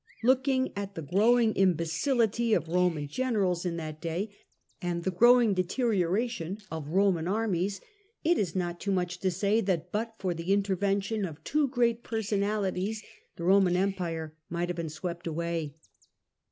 Looking at tha growing imbecility of Roman generals in that day, and the growing deteiiora THE PROBLEMS OF EMPIRE 3 fcion of Roman armies, it is not too mncli to say that, but for the intervention of two great personalities, the Roman Empire might have been swept away.